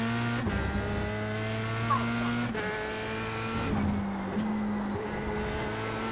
守岛炮兵阵地在德军猛烈的炮击下很快沉默下来。